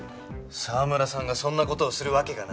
澤村さんがそんな事をするわけがない。